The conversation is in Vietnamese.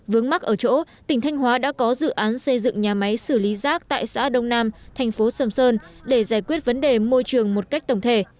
vướng mắt ở chỗ tỉnh thanh hóa đã có dự án xây dựng nhà máy xử lý rác tại xã đông nam thành phố sầm sơn để giải quyết vấn đề môi trường một cách tổng thể